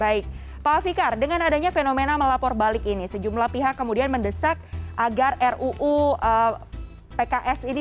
baik pak fikar dengan adanya fenomena melapor balik ini sejumlah pihak kemudian mendesak agar ruu pks ini